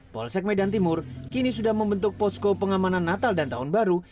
polsek medan timur kini sudah membentuk posko pengamanan natal dan tahun baru